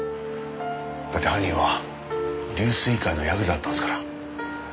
だって犯人は龍翠会のヤクザだったんですから。